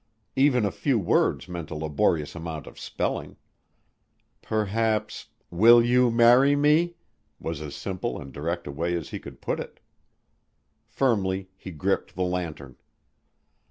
Even a few words meant a laborious amount of spelling. Perhaps Will You Marry Me? was as simple and direct a way as he could put it. Firmly he gripped the lantern.